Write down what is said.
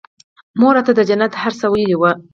مور راته د جنت هر څه ويلي وو.